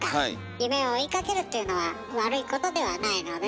夢を追いかけるっていうのは悪いことではないのでね。